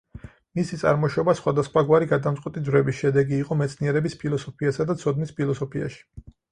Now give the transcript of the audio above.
მისი წარმოშობა სხვადასხვაგვარი გადამწყვეტი ძვრების შედეგი იყო მეცნიერების ფილოსოფიასა და ცოდნის ფილოსოფიაში.